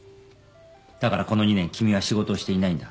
だからこの２年君は仕事をしていないんだ。